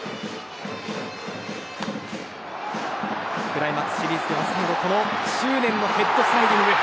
クライマックスシリーズでは最後執念のヘッドスライディング。